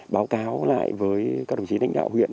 báo cáo lại với các đồng chí lãnh đạo huyện